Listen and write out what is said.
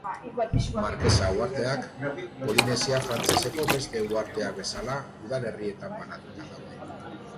Markesa uharteak, Polinesia Frantseseko beste uharteak bezala, udalerritan banatuta daude.